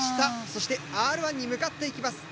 そしてＲ１に向かっていきます。